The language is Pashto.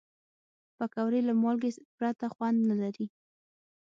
پکورې له مالګې پرته خوند نه لري